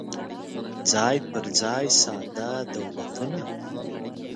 څای پر ځای ساده دولتونه